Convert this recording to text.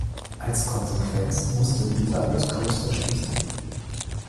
Als Konsequenz musste "The Velvet Coaster" schließen.